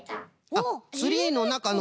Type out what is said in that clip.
あっツリーのなかの。